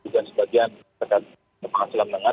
dan sebagian dekat pangsa yang menengah